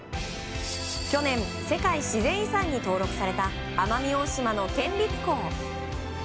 去年、世界自然遺産に登録された奄美大島の県立校。